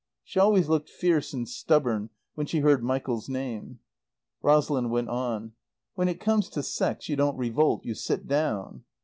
She always looked fierce and stubborn when she heard Michael's name. Rosalind went on. "When it comes to sex you don't revolt. You sit down."